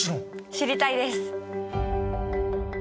知りたいです！